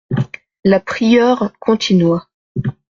La prieure continua.